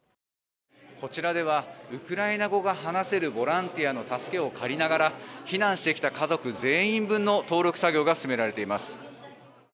こちらではウクライナ語が話せるボランティアの助けを借りながら避難してきた家族全員分の登録作業が進められています。